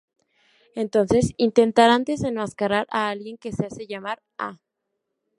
Entonces intentarán desenmascarar a alguien que se hace llamar "A".